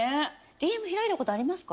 ＤＭ開いたことありますか？